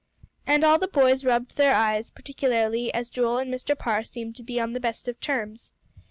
And all the boys rubbed their eyes, particularly as Joel and Mr. Parr seemed to be on the best of terms.